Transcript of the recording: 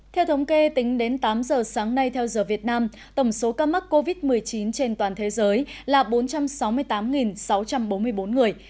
theo thống kê tính đến tám giờ sáng nay theo giờ việt nam tổng số ca mắc covid một mươi chín trên toàn thế giới là bốn trăm sáu mươi tám sáu trăm bốn mươi bốn người